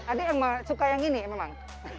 ada yang suka yang ini memang